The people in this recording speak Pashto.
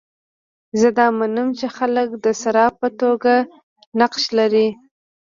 زه دا منم چې خلک د صارف په توګه نقش لري.